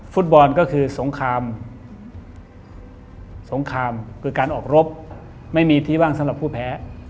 ฟุตบอลก็คือสงครามสงครามคือการออกรบไม่มีที่ว่างสำหรับผู้แพ้